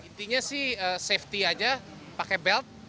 intinya sih safety aja pakai belt